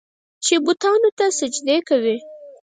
چې بوتانو ته سجدې کوي.